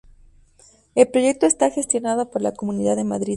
El proyecto está gestionado por la Comunidad de Madrid.